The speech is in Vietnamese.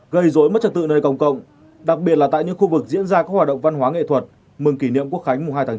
gây dối mất trật tự nơi công cộng đặc biệt là tại những khu vực diễn ra các hoạt động văn hóa nghệ thuật mừng kỷ niệm quốc khánh mùng hai tháng chín